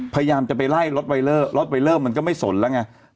พยายามจะไปไล่รถไวเลอร์รถไวเลอร์มันก็ไม่สนแล้วไง